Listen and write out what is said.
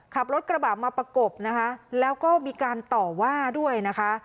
ขับรถกระบะมาประกบนะคะแล้วก็มีการต่อว่าด้วยนะคะ